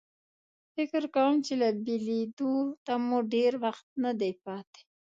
فکر کوم چې له بېلېدو ته مو ډېر وخت نه دی پاتې.